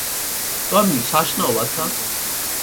টমি, শ্বাস নাও, বাছা।